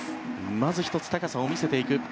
まず高さを見せていく。